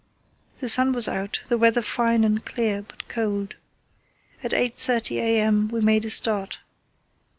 The sun was out, the weather fine and clear but cold. At 8.30 a.m. we made a start.